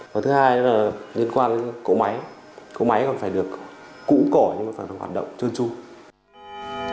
và thứ hai là liên quan đến cỗ máy cỗ máy còn phải được cũ cỏ nhưng mà phải hoạt động chôn chung